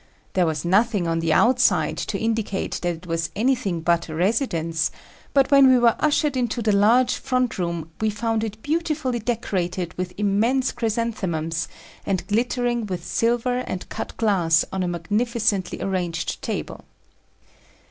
There was nothing on the outside to indicate that it was anything but a residence, but when we were ushered into the large front room, we found it beautifully decorated with immense chrysanthemums, and glittering with silver and cut glass on a magnificently arranged table.